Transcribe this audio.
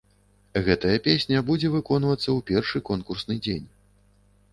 Гэтая песня будзе выконвацца ў першы конкурсны дзень.